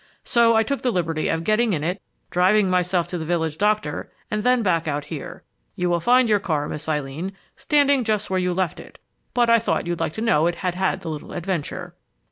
So I took the liberty of getting in it, driving myself to the village doctor, and then back out here. You will find your car, Miss Eileen, standing just where you left it, but I thought you'd like to know it had had the little adventure!"